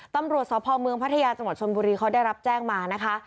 ตำรวจสพเมืองพัทยาจังหวัดชนบุรีเขาได้รับแจ้งมานะคะ